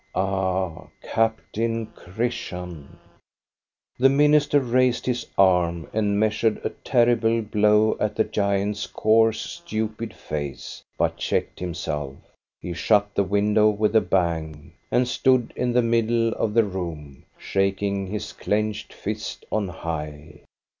Ah, Captain Christian ! The minister raised his arm and measured a terrible blow at the giant's coarse, stupid face, but checked himself He shut the window with a bang, and stood in the middle of the room, shaking his clenched fist on high.